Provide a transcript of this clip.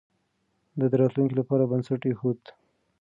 ده د راتلونکي لپاره بنسټ ايښود.